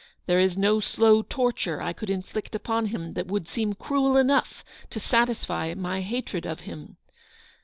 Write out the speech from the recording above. There is no slow torture I could inflict upon him that would seem cruel enough to satisfy my hatred of him.